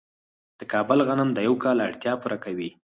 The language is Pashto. د کابل غنم د یو کال اړتیا پوره کوي.